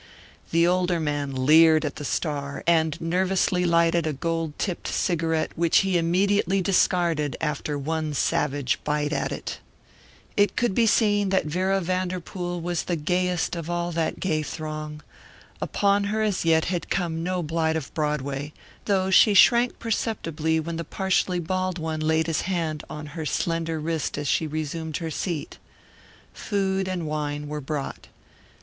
The older man leered at the star and nervously lighted a gold tipped cigarette which he immediately discarded after one savage bite at it. It could be seen that Vera Vanderpool was the gayest of all that gay throng. Upon her as yet had come no blight of Broadway, though she shrank perceptibly when the partially bald one laid his hand on her slender wrist as she resumed her seat. Food and wine were brought.